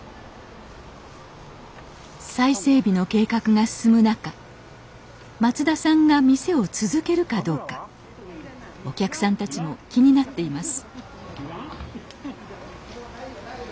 再整備の計画が進む中松田さんが店を続けるかどうかお客さんたちも気になっています